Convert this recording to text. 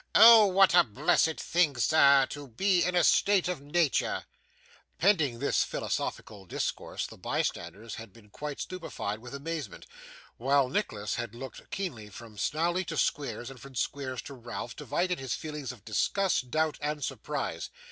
Oh what a blessed thing, sir, to be in a state of natur!' Pending this philosophical discourse, the bystanders had been quite stupefied with amazement, while Nicholas had looked keenly from Snawley to Squeers, and from Squeers to Ralph, divided between his feelings of disgust, doubt, and surprise.